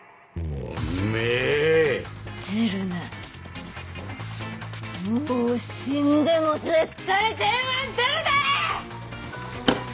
もう死んでも絶対電話ん出るな！